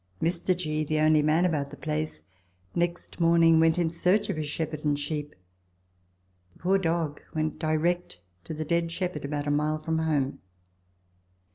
Mr. G., the only man about the place, next morning went in search of his shepherd and sheep ; the poor dog went direct to the dead shepherd, about a mile from home.